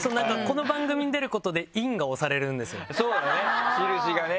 そうだね印がね